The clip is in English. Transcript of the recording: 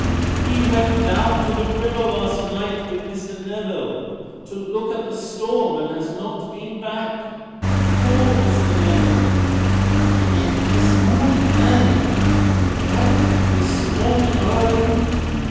He went down to the river last night, with Mr. Neville, to look at the storm, and has not been back. Call Mr. Neville!" "He left this morning, early." "Left this morning early?